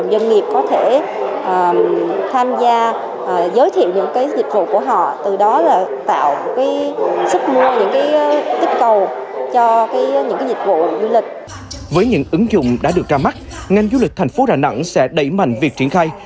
với những ứng dụng đã được ra mắt ngành du lịch thành phố đà nẵng sẽ đẩy mạnh việc triển khai